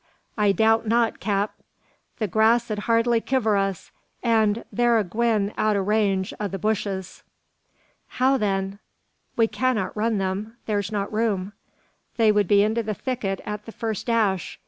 "I doubt not, cap. The grass 'ud hardly kiver us, an thur a gwine out o' range o' the bushes." "How then? We cannot run them; there's not room. They would be into the thicket at the first dash.